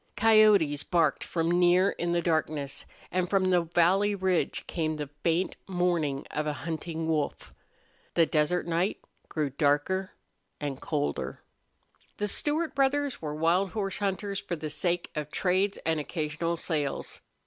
Coyotes barked from near in darkness, and from the valley ridge came the faint mourn of a hunting wolf. The desert night grew darker and colder. The Stewart brothers were wild horse hunters for the sake of trades and occasional sales.